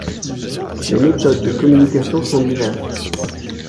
Les méthodes de communication sont diverses.